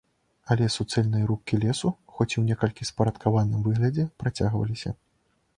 Але суцэльныя рубкі лесу, хоць і ў некалькі спарадкаваным выглядзе, працягваліся.